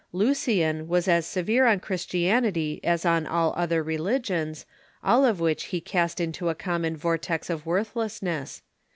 Lucian Avas as severe on Christianity as on the other religions, all of which he cast into a common vortex of worthlessness.